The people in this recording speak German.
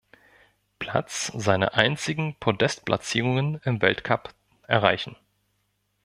Platz seine einzigen Podestplatzierungen im Weltcup erreichen.